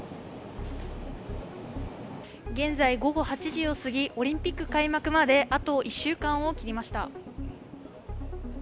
現在、午後８時を過ぎ、オリンピック開幕まであと１週間を切りました。